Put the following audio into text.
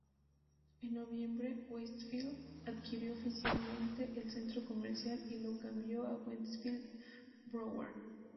En noviembre, Westfield adquirió oficialmente el centro comercial y lo cambió a "Westfield Broward.